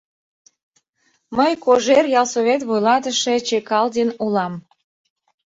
Мый Кожер ялсовет вуйлатыше Чекалдин улам.